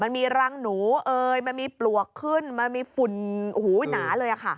มันมีรังหนูมันมีปลวกขึ้นมันมีฝุ่นหูหนาเลยค่ะ